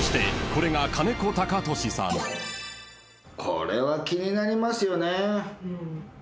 これは気になりますよね。